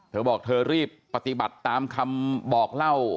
เธอบอกเธอรีบปฏิบัติตามคำบอกเล่า